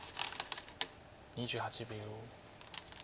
２８秒。